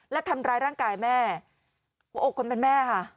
และทำร้ายร่างกายแม่โอ้โกนแม่ค่ะ